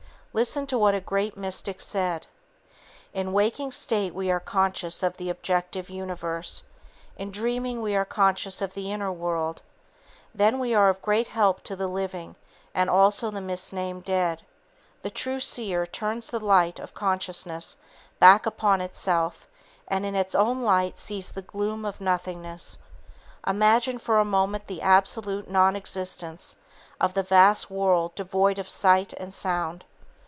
Listen to what a great mystic said: "In waking state we are conscious of the objective universe. In dreaming we are conscious of the inner world. Then we are of great help to the living, and also the misnamed dead. In dreamlessness the true seer turns the light of consciousness back upon itself and in its own light sees the gloom of nothingness. Imagine for a moment the absolute non existence of the vast world devoid of sight and sound.